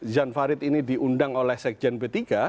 jan farid ini diundang oleh sekjen p tiga